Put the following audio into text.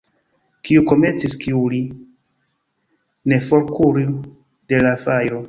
Kiu komencis kuiri, ne forkuru de la fajro.